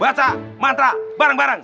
baca mantra bareng bareng